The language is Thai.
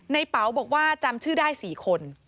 เป๋าบอกว่าจำชื่อได้๔คน